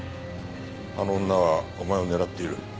あの女はお前を狙っている。